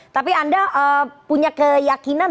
tapi anda punya keyakinan